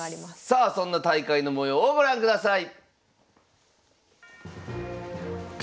さあそんな大会の模様をご覧ください。